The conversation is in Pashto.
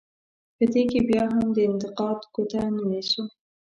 په دې کې بیا هم د انتقاد ګوته نه نیسو.